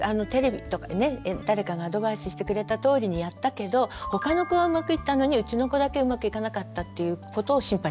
誰かがアドバイスしてくれたとおりにやったけど他の子はうまくいったのにうちの子だけうまくいかなかったっていうことを心配します。